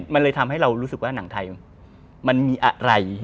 มันทำให้เรารู้สึกว่านังไทยมันมีอะไรที่มี